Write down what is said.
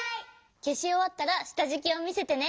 けしおわったらしたじきをみせてね。